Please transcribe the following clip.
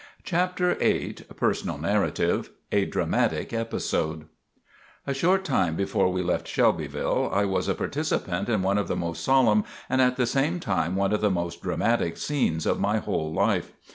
CHAPTER VIII PERSONAL NARRATIVE A DRAMATIC EPISODE A short time before we left Shelbyville I was a participant in one of the most solemn, and at the same time one of the most dramatic, scenes of my whole life.